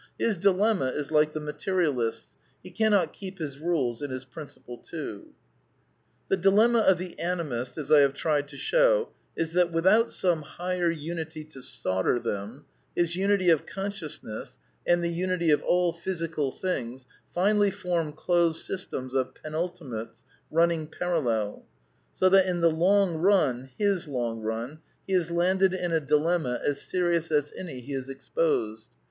His dilemma is like the Materialist's. He cannot keep his rules and his principle too. The dilemma of the Animist, as I have tried to show, is that without some " higher unity " to solder them, his unity of consciousness, and the unity of all physical things, I finally form closed systems of penultimates nmning par allel ; so that in the long run {his long run) he is landed' in a dilemma as serious as any he has exposed.